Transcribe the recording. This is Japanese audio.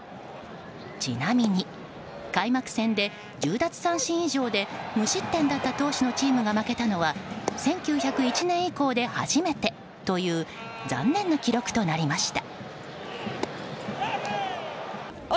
ちなみに、開幕戦で１０奪三振以上で無失点だった投手のチームが負けたのは１９０１年以降で初めてという残念な記録となりました。